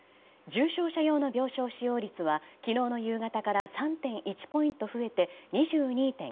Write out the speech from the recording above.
重症者用の病床使用率は昨日の夕方から３．１ポイント増えて２２．９％。